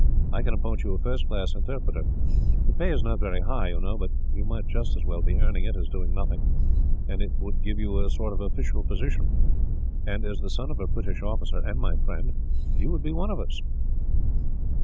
I can appoint you a first class interpreter. The pay is not very high, you know; but you might just as well be earning it as doing nothing, and it would give you a sort of official position and, as the son of a British officer, and my friend, you would be one of us."